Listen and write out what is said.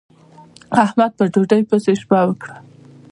احمد په ډوډۍ پسې شپه وکړه.